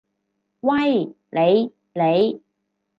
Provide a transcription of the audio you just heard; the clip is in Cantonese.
喂，你！你！